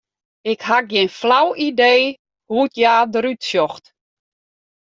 Ik ha gjin flau idee hoe't hja derút sjocht.